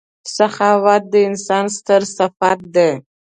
• سخاوت د انسان ستر صفت دی.